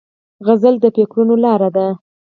سندره د فکرونو لاره ده